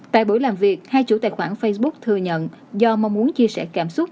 tại buổi làm việc hai chủ tài khoản facebook thừa nhận do mong muốn chia sẻ cảm xúc